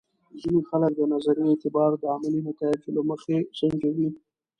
ځینې خلک د نظریې اعتبار د عملي نتایجو له مخې سنجوي.